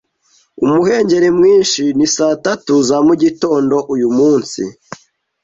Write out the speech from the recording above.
Umuhengeri mwinshi ni saa tatu za mugitondo. Uyu munsi.